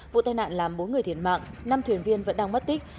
vụ tai nạn làm bốn người thiệt mạng năm thuyền viên vẫn đang mất tích